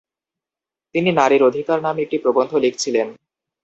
তিনি ‘নারীর অধিকার’ নামে একটি প্রবন্ধ লিখছিলেন।